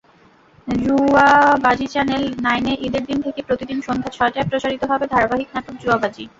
জুয়াবাজিচ্যানেল নাইনে ঈদের দিন থেকে প্রতিদিন সন্ধ্যা ছয়টায় প্রচারিত হবে ধারাবাহিক নাটক জুয়াবাজি।